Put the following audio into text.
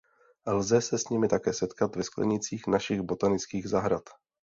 Lze se s nimi také setkat ve sklenících našich botanických zahrad.